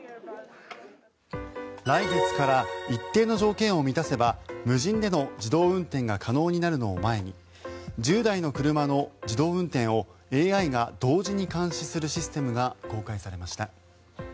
来月から一定の条件を満たせば無人での自動運転が可能になるのを前に１０台の車の自動運転をＡＩが同時に監視するシステムが公開されました。